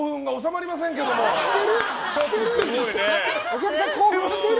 お客さんしてる？